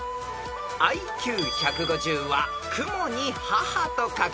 ［ＩＱ１５０は「雲」に「母」と書く